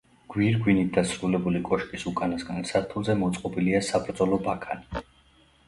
გვირგვინით დასრულებული კოშკის უკანასკნელ სართულზე მოწყობილია საბრძოლო ბაქანი.